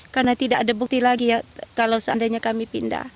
karena tidak ada bukti lagi ya kalau seandainya kami pindah